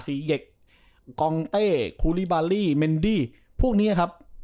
เอ็กกองเต้คูลิบาลี่เมนดี้พวกนี้ครับ